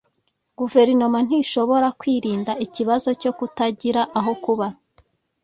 guverinoma ntishobora kwirinda ikibazo cyo kutagira aho kuba